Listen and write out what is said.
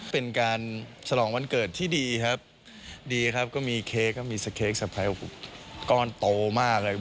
เป็นการสรองวันเกิดที่ดีครับดีครับก็มีเค้กก้อนโตมากเลย